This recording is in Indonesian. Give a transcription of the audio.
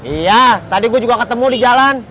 iya tadi gue juga ketemu di jalan